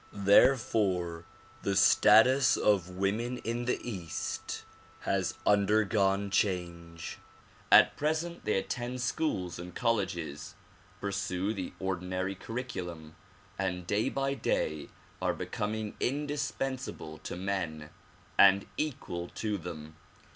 Therefore the status of women in the east has under gone change. At present they attend schools and colleges, pursue the ordinary curriculum and day by day are becoming indispen sable to men and equal to them.